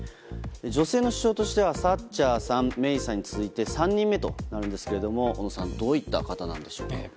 女性の首相としてはサッチャーさんメイさんに続いて３人目となるんですけれども小野さんどういった方なんでしょうか。